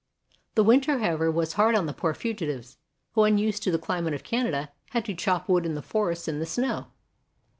The winter, however, was hard on the poor fugitives, who unused to the climate of Canada, had to chop wood in the forests in the snow.